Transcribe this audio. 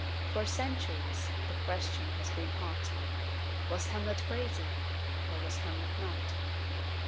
For centuries the question has been hot: Was Hamlet crazy, or was Hamlet not?